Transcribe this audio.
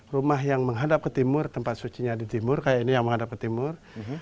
rumah yang menghadap ke timur tempat sucinya di timur kayak ini yang menghadap ke timur